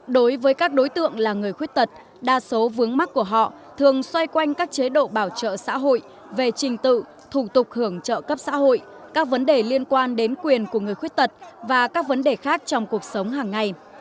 đối với các đối tượng là người khuyết tật đa số vướng mắt của họ thường xoay quanh các chế độ bảo trợ xã hội về trình tự thủ tục hưởng trợ cấp xã hội các vấn đề liên quan đến quyền của người khuyết tật và các vấn đề khác trong cuộc sống hàng ngày